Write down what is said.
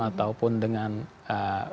ataupun dengan masing masing keluarga